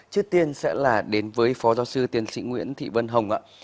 trước tiên sẽ là đến với phó giáo sư tiến sĩ nguyễn thị vân hồng ạ